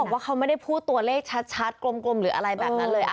ว่าเขาไม่ได้พูดตัวเลขชัดกลมหรืออะไรแบบนั้นเลย